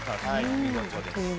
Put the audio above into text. お見事です。